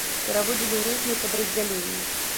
Пераводзілі ў розныя падраздзяленні.